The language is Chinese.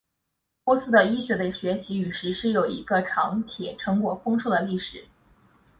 波斯的医学的学习与实施有一个长且成果丰硕的历史。